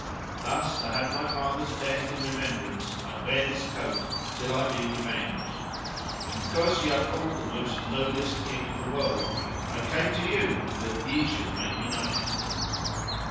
Thus to have my father's death in remembrance I wear this coat till I be revenged; and because ye are called the most noblest king of the world I come to you that ye should make me knight.